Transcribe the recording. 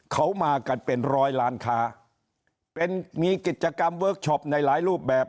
เขามากันเป็นร้อยล้านค้าเป็นมีกิจกรรมเวิร์คชอปในหลายรูปแบบ